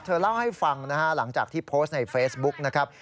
เล่าให้ฟังนะฮะหลังจากที่โพสต์ในเฟซบุ๊กนะครับ